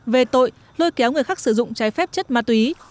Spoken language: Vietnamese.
về tội lôi kéo người khác sử dụng trái phép chất ma túy